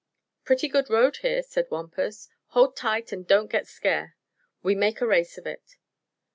"Pretty good road here," said Wampus. "Hold tight an' don't get scare. We make a race of it."